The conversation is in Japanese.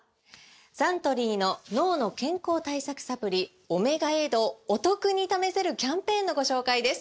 サントリーの脳の健康対策サプリ「オメガエイド」をお得に試せるキャンペーンのご紹介です！